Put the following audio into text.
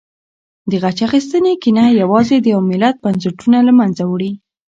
د غچ اخیستنې کینه یوازې د یو ملت بنسټونه له منځه وړي.